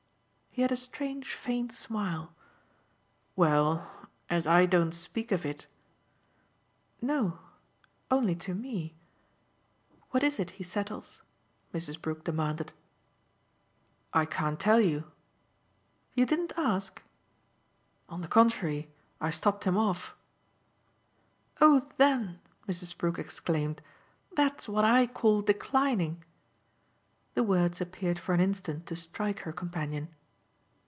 He had a strange faint smile. "Well, as I don't speak of it !" "No only to me. What is it he settles?" Mrs. Brook demanded. "I can't tell you." "You didn't ask?" "On the contrary I stopped him off." "Oh then," Mrs. Brook exclaimed, "that's what I call declining." The words appeared for an instant to strike her companion.